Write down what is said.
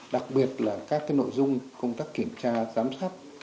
đặc biệt là các nội dung công tác kiểm tra giám sát